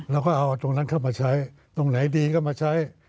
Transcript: เราก็เอาตรงนั้นเข้ามาใช้ตรงไหนดีก็มาใช้